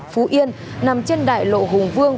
phú yên nằm trên đại lộ hùng vương